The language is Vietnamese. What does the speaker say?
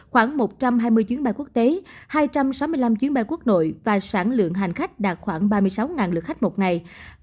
khoảng một trăm hai mươi chuyến bay quốc tế hai trăm sáu mươi năm chuyến bay quốc nội và sản lượng hành khách đạt khoảng ba mươi sáu lượt khách một ngày